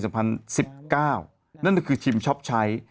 นั่นก็คือชิมช็อปใช้